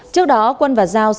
trước đó quân và giao xảy ra vạch